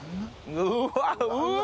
うわうわ。